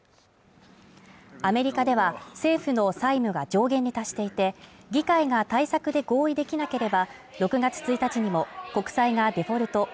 アメリカでは政府の債務が上限に達していて、議会が対策で合意できなければ６月１日にも国債がデフォルト＝